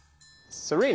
すごいな。